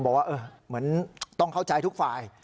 บอกว่าเหมือนต้องเข้าใจทุกฝ่าย